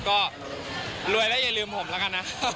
ก็รวยแล้วอย่าลืมผมแล้วกันนะ